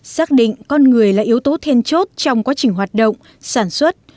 xác định con người là yếu tố then chốt trong quá trình hoạt động sản xuất